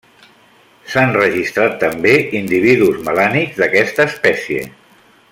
S'han registrat també individus melànics d'aquesta espècie.